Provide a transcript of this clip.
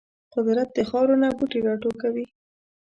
قدرت د خاورو نه بوټي راټوکوي.